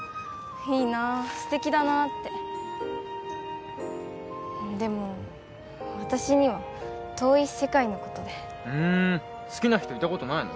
いいなあステキだなってでも私には遠い世界のことでふん好きな人いたことないの？